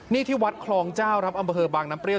นี่ที่วัดคลองเจ้าครับอำเภอบางน้ำเปรี้ย